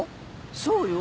そうよ。